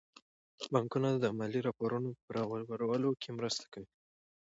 بانکونه د مالي راپورونو په برابرولو کې مرسته کوي.